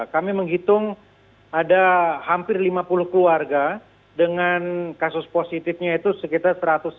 kami menghitung ada hampir lima puluh keluarga dengan kasus positifnya itu sekitar satu ratus lima puluh